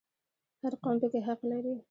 هر قوم پکې حق لري